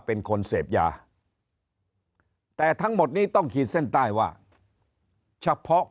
เป็นคนเสพยาแต่ทั้งหมดนี้ต้องขีดเส้นใต้ว่าเฉพาะ